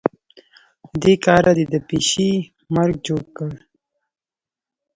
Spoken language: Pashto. له دې کاره دې د پيشي مرګ جوړ کړ.